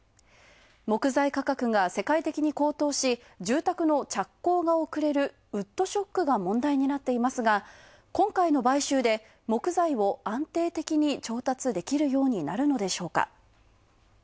木材価格が世界的に高騰し、住宅の着工が遅れるウッドショックが問題になっていますが今回の買収で、木材を安定的に調達できるようになるのでしょうか。